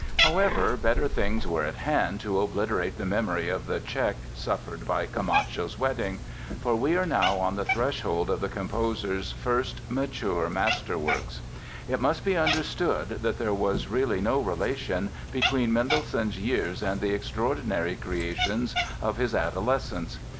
However, better things were at hand to obliterate the memory of the check suffered by "Camacho's Wedding". For we are now on the threshold of the composer's first mature masterworks. It must be understood that there was really no relation between Mendelssohn's years and the extraordinary creations of his adolescence.